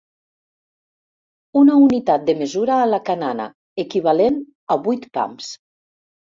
Una unitat de mesura a la canana, equivalent a vuit pams.